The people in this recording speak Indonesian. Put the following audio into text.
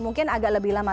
mungkin agak lebih lama